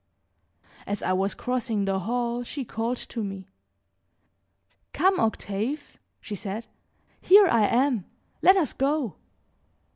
As I was crossing the hall she called to me: "Come, Octave!" she said; "here I am, let us go."